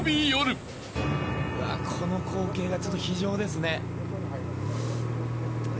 うわっこの光景はちょっと非情ですね。